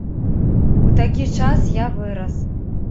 У такі час я вырас.